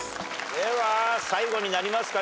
では最後になりますかね